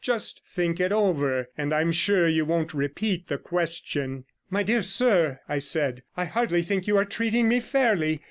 Just think it over, and I'm sure you won't repeat the question.' 'My dear sir,' I said, 'I hardly think you are treating me fairly.